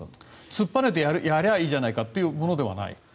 突っぱねてやればいいじゃないかっていうものではない？